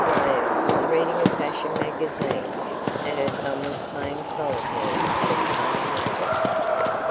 Graham was reading a fashion magazine and her son was playing solitaire at a card table.